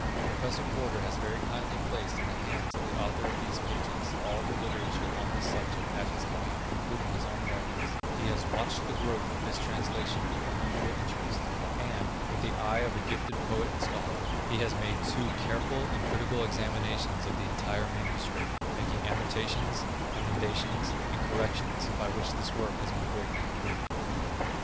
Prof. Porter has very kindly placed in the hands of the author of these pages, all the literature on this subject at his command, including his own writings; he has watched the growth of this translation with unusual interest; and, with the eye of a gifted poet and scholar, he has made two careful and critical examinations of the entire manuscript, making annotations, emendations, and corrections, by which this work has been greatly improved.